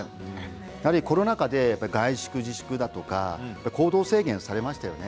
やはりコロナ禍で外出自粛だとか行動制限されましたよね。